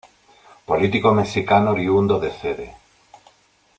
Político Mexicano oriundo de Cd.